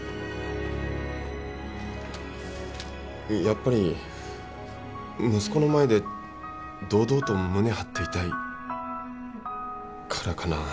やっぱり息子の前で堂々と胸張っていたいからかなぁ。